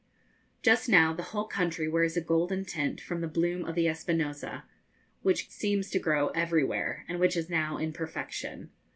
Just now the whole country wears a golden tint from the bloom of the espinosa, which seems to grow everywhere, and which is now in perfection.